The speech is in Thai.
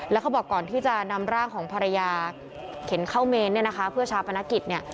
แล้วเขาบอกก่อนที่จะนำร่างของภรรยาเข็นเข้าเมนเพื่อชาปนกิจ